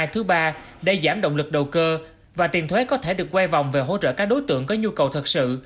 thứ ba để giảm động lực đầu cơ và tiền thuế có thể được quay vòng về hỗ trợ các đối tượng có nhu cầu thật sự